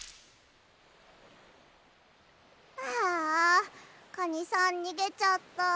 ああカニさんにげちゃった。